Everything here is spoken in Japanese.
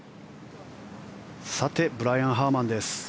さてブライアン・ハーマンです。